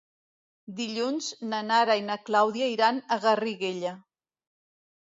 Dilluns na Nara i na Clàudia iran a Garriguella.